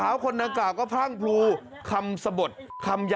มันคงอัดอันมาหลายเรื่องนะมันเลยระเบิดออกมามีทั้งคำสลัดอะไรทั้งเต็มไปหมดเลยฮะ